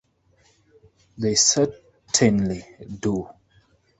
They certainly do.